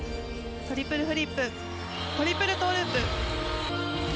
トリプルフリップトリプルトウループ。